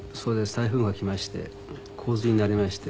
台風が来まして洪水になりまして。